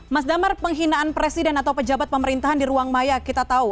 mas damar penghinaan presiden atau pejabat pemerintahan di ruang maya kita tahu